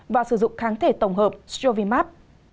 và sử dụng kháng thể tổng hợp strovimab